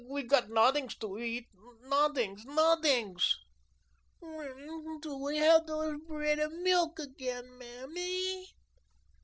We got noddings to eat, noddings, noddings." "When do we have those bread'n milk again, Mammy?"